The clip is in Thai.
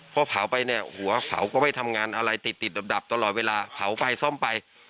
พอเผาไปเนี่ยหัวเผาก็ไม่ทำงานอะไรติดดับตลอดเวลาเผาไปซ่อมไป